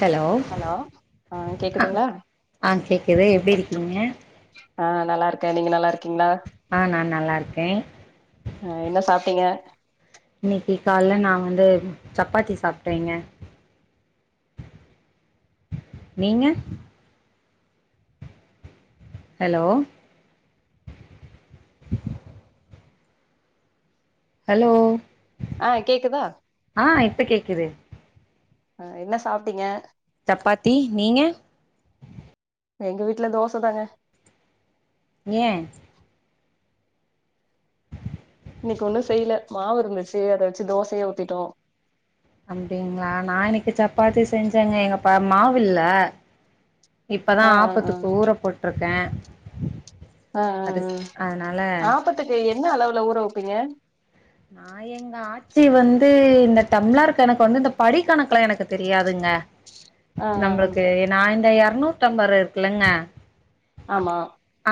Hello ஆ கேக்குதுங்களா ஆ கேட்குது எப்டி இருக்கீங்க ஆ நல்லா இருக்கே நீங்க நல்லா இருக்கீங்களா ஆ நான் நல்லா இருக்கே ஆ என்ன சாப்ட்டீங்க இன்னைக்கி கால்ல நா வந்து சப்பாத்தி சாப்ட்டேங்க நீங்க ஹலோ ஹலோ ஆ கேக்குதா ஆ இப்ப கேக்குது அ என்ன சாப்ட்டீங்க சப்பாத்தி நீங்க எங்க வீட்ல தோச தாங்க ஏ இன்னக்கு ஒன்னு செய்யல மாவு இருந்துச்சு அத வச்சு தோசையே ஊத்திட்டோ அப்டிங்களா நா இனைக்கு சப்பாத்தி செஞ்சேங்க எங்க பா மாவில்ல இப்பதா ஆ ஆ ஆ ஆப்பத்துக்கு ஊற போட்ருக்கே அது அதனால த்துக்கு என்ன அளவுல ஊற வப்பீங்க நா எங்கா ஆச்சி வந்து இந்த டம்ளார் கணக்கு வந்து இந்த படி கணக்குலா எனக்கு தெரியாதுங்க ஆ ஆ ஆ நம்பளுக்கு என் நா இந்த எரநூத்தம்பர் இருக்குல்லங்க ஆமா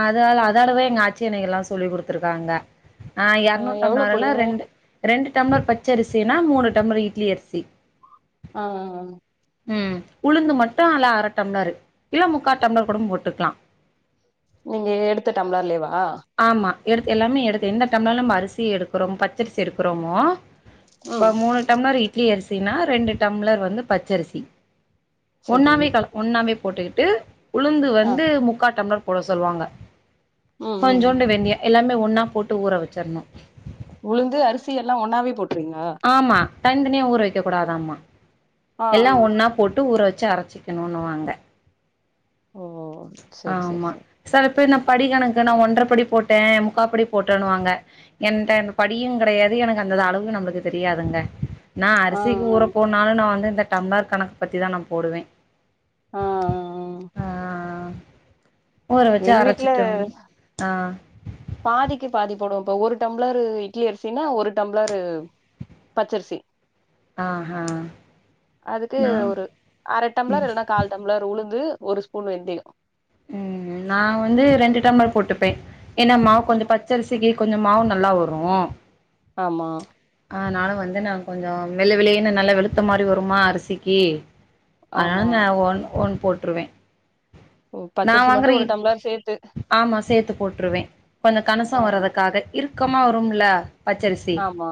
அதால அதாலவே எங்க ஆச்சி எனக்கு எல்லா சொல்லி குடுத்துருக்காங்க ஆ எவ்ளோ எரநூத்தம்ளர்ல போடுவீங்க ரெண்டு டம்ளர் பச்ச அரிசினா மூணு டம்ளர் இட்லி அரிசி ஆ அ அ ம் உளுந்து மட்டு அல அர டம்ளரு இல்ல முக்கா டம்ளர் கூட போட்டுக்கலா நீங்க எடுத்த டம்ளர்லேவா ஆமா எடுத்து எல்லாமே எடுத்து எந்த டம்ல நம்ம அரிசி எடுக்குறோ பச்சரிசி எடுக்குறோமோ இப்ப ம் மூணு டம்ளர் இட்லி அரிசினா ரெண்டு டம்ளர் வந்து பச்சரிசி சரி ஒண்ணாவே கல ஒண்ணாவே போட்டுக்கிட்டு உளுந்து ஆ வந்து முக்காட்டம்ளர் போட சொல்லுவாங்க ம் ம் ம் கொஞ்சோண்டு வெந்தய எல்லாமே ஒன்னா போட்டு ஊற வச்சிர்ணு உளுந்து அரிசி எல்லாமே ஒண்ணாவே போட்றீங்ளா ஆமா தனி தனியா ஊற வைக்க கூடாதாம்மா ஆ ஆ எல்லா ஒன்னா போட்டு ஊற வச்சு அரச்சி இன்னோன்னு வாங்க ஓ சரி சரி ஆமா சரி செல பேர் நா படி கணக்கு நா ஒன்றரப்படி போட்டே முக்கா படி போட்டேன்னுவாங்க என்ட அந்த படியு கெடையாது எனக்கு அந்த அளவு நம்மளுக்கு தெரியாதுங்க நா ஆ அரிசிக்கு ஆ ஊற போனாலு நா வந்து இந்த டம்ளர் கணக்கு பத்தி தா நா போடுவே ஆ அ அ ஆ ஊற வச்சு எங்க வீட்ல அரச்சிட்டு ஆ பாதிக்கு பாதி போடுவ இப்ப ஒரு டம்ளரு இட்லி அரிசினா ஒரு டம்ளரு பச்சரிசி ஆஹா அதுக்கு நா ஒரு அர டம்ளா ம் இல்லன்னா கால் டம் ளர் உளுந்து ஒரு ஸ்பூன் வெந்தய ம் நா வந்து ரெண்டு டம்ளர் போட்டுப்பே ஏன்ன மாவு கொஞ்ச பச்சரிசிக்கு கொஞ்ச மாவு நல்லா வரு ஆமா ஆனாலு வந்து நா கொஞ்சோ வெள்ளோ வெள்ளேன்னு நல்லா வெளுத்த மாரி வருமா அரிசிக்கு அதனால ஆமா நா ஒன் ஒன் போட்ருவே ம், நா பச்சரிசி மட்டு வாங்குற ஒரு இட் டம்ளர் சேத்து ஆமா சேத்து போட்டுருவே கொஞ்சோ கணசோ ஆ வரதுக்காக இருக்கமா வரும்ல பச்சரிசி ஆமா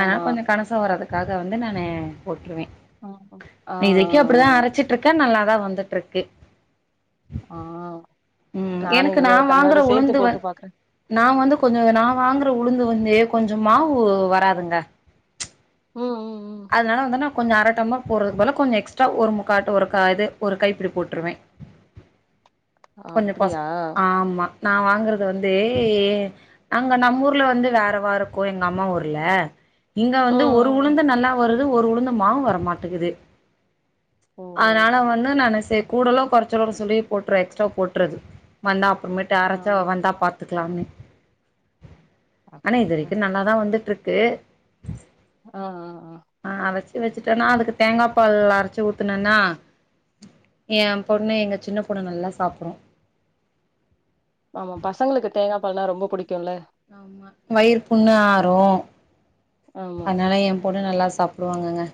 ஆனால கொஞ்சோ கனசோ வரதுக் காக வந்து நான்னு போட்டுருவ ஆமா. ஆ ஆ இது வரைக்கும் அப்டிதா அரச்சிட்டு ருக்கு நல்லா தா வந்துட்டு இருக்கு ஆ ம் நானு எனக்கு இனிமே நா ஒரு வாங்குற டம்ளரு சேத்து உளுந்து போட்டு வந் பாக்குற நா வந்து கொஞ்ச நா வாங்குற உளுந்து வந்து கொஞ்ச மாவு வராதுங்க ம்ம் அதனால வந்து நா கொஞ்ச அற டம்ள போடுர பதிலா கொஞ்ச எக்ஸ்ட்ரா ஒரு முக்காட்டு ஒரு கா இது ஒரு கைப்பிடி போட்டுருவ கொஞ்ச பச அப்டியா ஆமா நா வாங்கறது வந்து ஏ அங்க நம்ம ஊர்ல வந்து வேறவா இருக்கும் எங்க அம்மா ஊர்ல இங்க வந்து ம் ஒரு ம் ம். உளுந்து நல்லா வருது ஒரு உளுந்து மாவ் வரமாட்டக்குது ஓ அதனால வந்து நான்னு சே கூடலோ குறச்சலோன்னு சொல்லி போட்டுற எக்ஸ்ட்ரா போட்டுறது வந்தா அப்பறமேட்டு ஆ அரச்சா வந்தா பாத்துக்கலாம்னு ஆனா இது அப்டியா வரைக்கும் நல்லாதா வந்துட்டு இருக்கு ஆஆ ஆ அரச்சு வச்சுட்டன்னா அதுக்கு தேங்காய் பால் அரச்சு ஊத்துன்னா எய பொண்ணு எங்க சின்ன பொண்ணு நல்லா சாப்டு ஆமா பசங்களுக்கு தேங்காய் பால்னா ரொம்ப புடிக்குல்ல ஆமாம் வயிறு புண்ணு ஆறும் ஆமா அதனால எய பொண்ணு நல்லா சாப் சாப்புடுவாங்க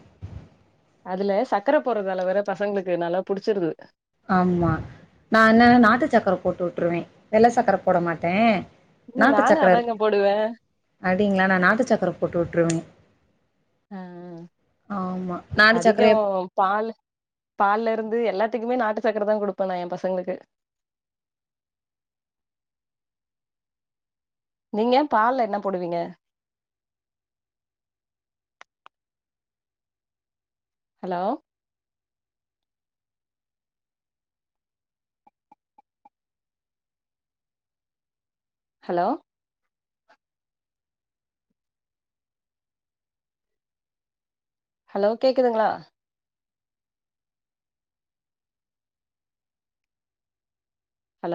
அதுல சக்கர போடுறதாலவேற பசங்களுக்கு நல்லா புடிச்சிருது ஆமா நான்னு நாட்டு சக்கர போட்டு விட்டுருவ வெள்ள சக்கர போட மாட்ட ம் நாட்டு நானு சக்கர அதாங்க போடுவே அப்டிங்களா நா நாட்டு சக்கர போட்டு விட்டுருவ அ நாட்டு அதிக சக்கரைய பால் பால்ல இருந்து எல்லாத்துக்குமே நாட்டு சாக்கர தா கொடுப்ப நா எய பசங்களுக்கு நீங்க பால்ல என்ன போடுவீங்க ஹலோ ஹலோ ஹலோ கேக்குதுங்களா ஹலோ